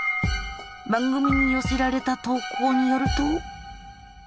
番組に寄せられた投稿によると。